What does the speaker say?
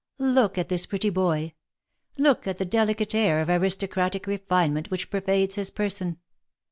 Look at this pretty boy — look at the delicate air of aristocratic refinement which pervades his person.